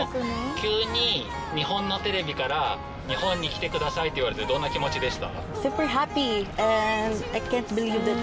急に日本のテレビから日本に来てくださいって言われて、どんな気持ちでした？